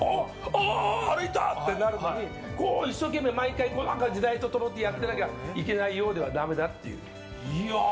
おー、歩いたってなるのに一生懸命、毎回時代と共にやっていなきゃいけないようではダメだっていう。